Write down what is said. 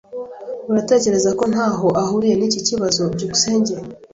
Uratekereza ko ntaho ahuriye niki kibazo? byukusenge